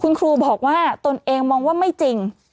คุณครูบอกว่าตนเองมองว่าไม่จริง